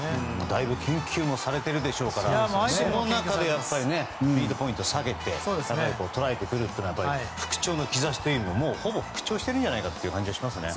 だいぶ研究もされていますからその中でリードポイントを下げて捉えてくるのは復調の兆しというよりもほぼ復調しているんじゃないかなという気がしますね。